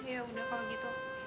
yaudah kalo gitu